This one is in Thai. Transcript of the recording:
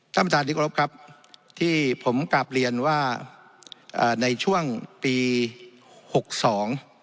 ท่านประธานที่กรบครับที่ผมกลับเรียนว่าเอ่อในช่วงปีหกสอง